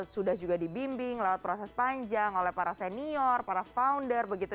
sudah juga dibimbing lewat proses panjang oleh para senior para founder begitu